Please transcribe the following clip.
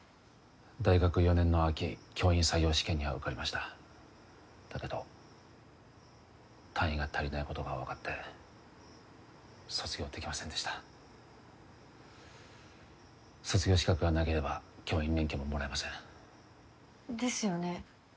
大学４年の秋教員採用試験には受かりましただけど単位が足りないことが分かって卒業できませんでした卒業資格がなければ教員免許ももらえませんですよね